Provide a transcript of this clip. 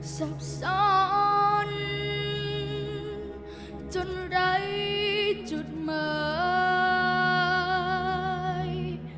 ซับซ้อนจนไร้จุดหมาย